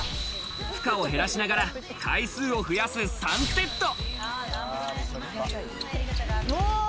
負荷を減らしながら回数を増やす３セット。